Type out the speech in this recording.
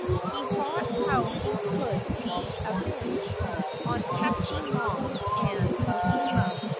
He thought of how he could be avenged on Hachiyemon and O Ima.